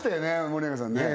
森永さんね